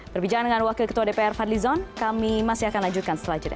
berbicara dengan wakil ketua dpr fadli zon kami masih akan lanjutkan setelah jeda